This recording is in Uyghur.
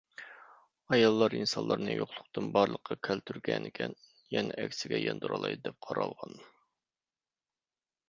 ئاياللار ئىنسانلارنى يوقلۇقتىن بارلىققا كەلتۈرگەنىكەن، يەنە ئەكسىگە ياندۇرالايدۇ دەپ قارالغان.